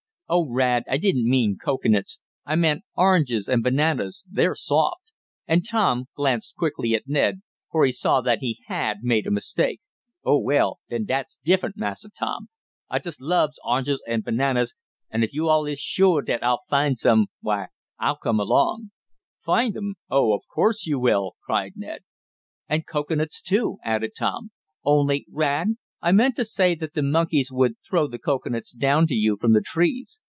"Oh, Rad, I didn't mean cocoanuts! I meant oranges and bananas they're soft," and Tom glanced quickly at Ned, for he saw that he had made a mistake. "Oh, well, den dat's diffunt, Massa Tom. I jes lubs oranges an' bananas, an' ef yo' all is shore dat I'll find some, why, I'll come along." "Find 'em? Of course you will!" cried Ned. "And cocoanuts, too," added Tom. "Only, Rad, I meant to say that the monkeys would throw the cocoanuts down to you from the trees.